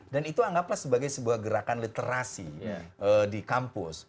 dan itu anggaplah sebagai sebuah gerakan literasi di kampus